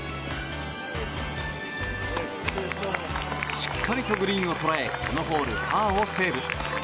しっかりとグリーンを捉えこのホール、パーをセーブ。